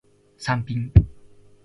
サンピン